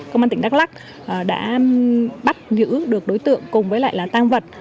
công an tỉnh đắk lắc đã bắt giữ được đối tượng cùng với lại là tang vật